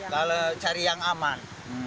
kalau cari yang aman